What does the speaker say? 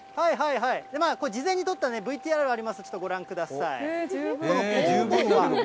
これ、事前に撮ったね、ＶＴＲあります、ちょっとご覧ください。